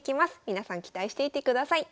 皆さん期待していてください。